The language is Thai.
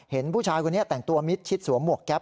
เห็นผู้ชายคนนี้แต่งตัวมิดชิดสวมหวกแก๊ป